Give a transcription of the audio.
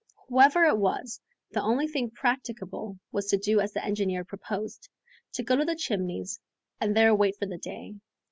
Whoever it was, the only thing practicable was to do as the engineer proposed, to go to the Chimneys and there wait for day.